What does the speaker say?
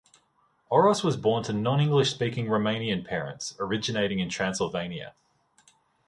Oros was born to non-English speaking Romanian parents, originating in Transylvania.